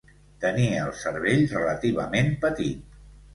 Tenia el cervell relativament petit.